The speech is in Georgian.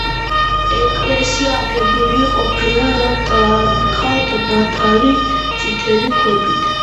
ეკლესია აგებული ყოფილა ტლანქად ნათალი წითელი ქვებით.